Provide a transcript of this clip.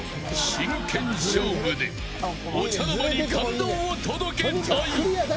真剣勝負でお茶の間に感動を届けたい。